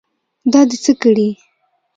دا دې څه کړي.